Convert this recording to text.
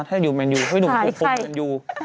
ถ้าเป็นพี่หนุ่มกับผมกับคุณ